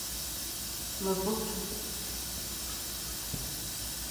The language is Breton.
Ma botoù.